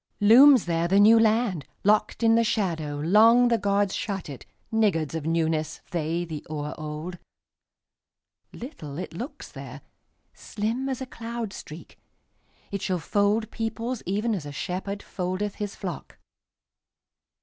Looms there the New Land:Locked in the shadowLong the gods shut it, Niggards of newnessThey, the o'er old. Little it looks there, Slim as a cloud streak; It shall fold peoplesEven as a shepherdFoldeth his flock.